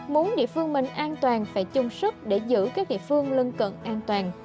muốn địa phương mình an toàn phải chung sức để giữ các địa phương lân cận an toàn